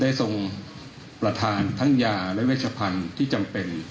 ทรงประธานทั้งยาและเวชพันธุ์ที่จำเป็น